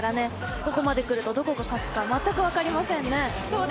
ここまでくると、どこが勝つか全く分かりませんね。